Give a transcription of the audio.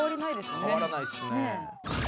「変わらないですね」